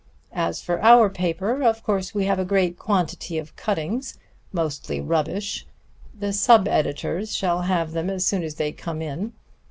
As for our paper, of course we have a great quantity of cuttings, mostly rubbish. The sub editors shall have them as soon as they come in.